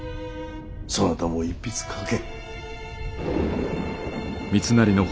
そなたも一筆書け。